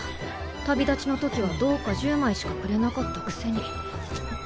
旅立ちの時は銅貨１０枚しかくれなかったくせに。